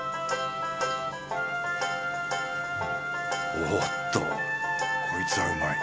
おっと！こいつはうまい！